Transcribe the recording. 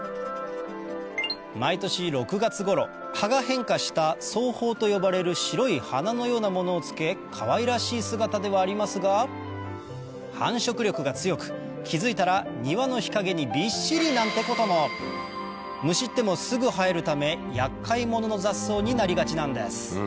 毎年６月頃葉が変化した総苞と呼ばれる白い花のようなものをつけかわいらしい姿ではありますが繁殖力が強く気付いたら庭の日陰にビッシリなんてこともむしってもすぐ生えるため厄介者の雑草になりがちなんです